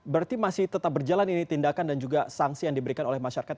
berarti masih tetap berjalan ini tindakan dan juga sanksi yang diberikan oleh masyarakat